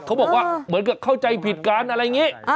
เขาบอกว่าเหมือนกับเข้าใจผิดกันอะไรอย่างนี้